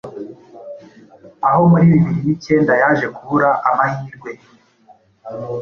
aho muri bibiri nikenda yaje kubura amahirwe